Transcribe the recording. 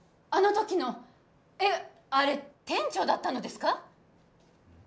あの時のえっあれ店長だったのですか？